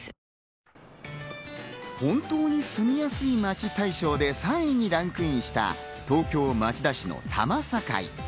本当に住みやすい街大賞で３位にランクインした東京・町田市の多摩境。